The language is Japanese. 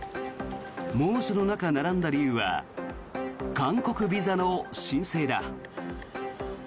猛暑の中並んだ理由は韓国ビザの申請だ。